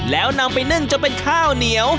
แล้วนำไปนึ่งจนเป็นข้าวเหนียว